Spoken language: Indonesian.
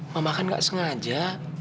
mama kan gak sengaja